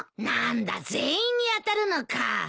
何だ全員に当たるのか。